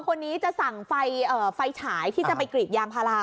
คนนี้จะสั่งไฟฉายที่จะไปกรีดยางพารา